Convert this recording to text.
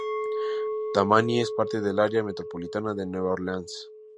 Tammany es parte del área metropolitana de Nueva Orleans.